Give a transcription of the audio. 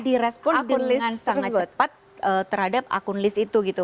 dan langsung di respon dengan sangat cepat terhadap akun list itu gitu